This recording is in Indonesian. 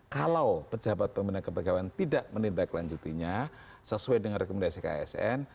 kalau pejabat pembina kepegawaian tidak menindaklanjutinya sesuai dengan rekomendasi ksn